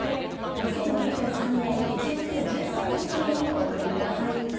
２０２３年１月１３日までにお送りください。